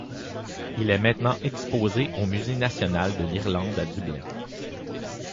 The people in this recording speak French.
Il est maintenant exposé au Musée National de l'Irlande à Dublin.